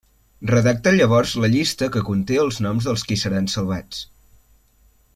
Redacta llavors la llista que conté els noms dels qui seran salvats.